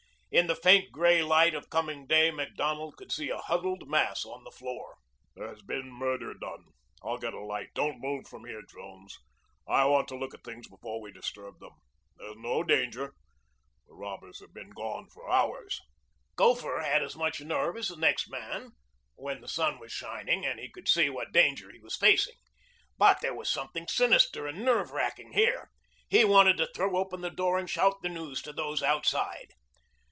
In the faint gray light of coming day Macdonald could see a huddled mass on the floor. "There has been murder done. I'll get a light. Don't move from here, Jones. I want to look at things before we disturb them. There's no danger. The robbers have been gone for hours." Gopher had as much nerve as the next man when the sun was shining and he could see what danger he was facing. But there was something sinister and nerve racking here. He wanted to throw open the door and shout the news to those outside.